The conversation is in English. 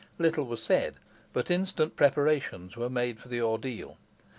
Little was said, but instant preparations were made for the ordeal.